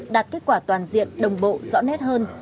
đạt kết quả toàn diện đồng bộ rõ nét hơn